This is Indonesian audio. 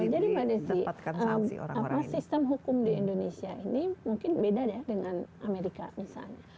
jadi pada sistem hukum di indonesia ini mungkin beda ya dengan amerika misalnya